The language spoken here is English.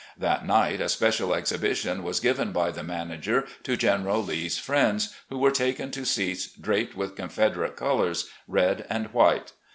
That night a special exhibition was given by the manager to General Lee's friends, who were taken to seats draped with Confederate colors, red, and white.